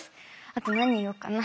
あと何言おうかな？